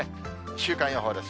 週間予報です。